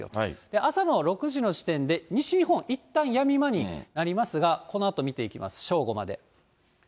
朝の６時の時点で西日本、いったんやみまになりますが、このあと見ていきます、正午まで。